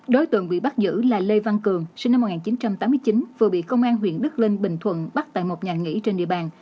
đối tượng bị bắt giữ là lê văn cường sinh năm một nghìn chín trăm tám mươi chín vừa bị công an huyện đức linh bình thuận bắt tại một nhà nghỉ trên địa bàn